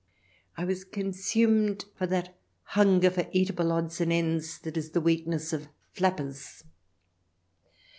I was con sumed for that hunger for eatable odds and ends that is the weakness of " flappers."